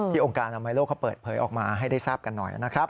องค์การอนามัยโลกเขาเปิดเผยออกมาให้ได้ทราบกันหน่อยนะครับ